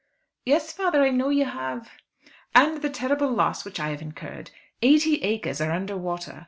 "Yes, father; I know you have." "And the terrible loss which I have incurred! Eighty acres are under water.